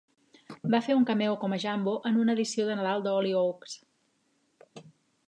Va fer un cameo com a Jambo en una edició de nadal d'"Hollyoaks".